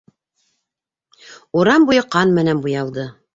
Урам буйы ҡан менән буялды.